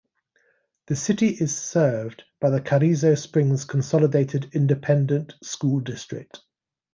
The city is served by the Carrizo Springs Consolidated Independent School District.